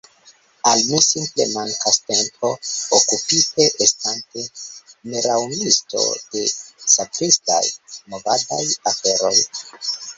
Al mi simple mankas tempo, okupite, estante neraŭmisto, de sakritaj movadaj aferoj.